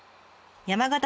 山形